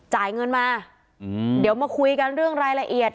จ่ายเงินมาเดี๋ยวมาคุยกันเรื่องรายละเอียด